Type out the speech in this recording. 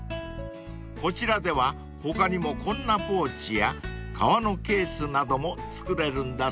［こちらでは他にもこんなポーチや革のケースなども作れるんだそうです］